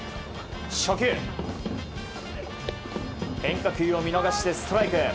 初球、変化球を見逃してストライク。